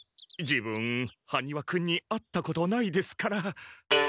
自分羽丹羽君に会ったことないですから。